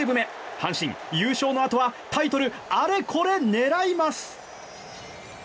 阪神、優勝のあとはタイトルあれこれ狙います！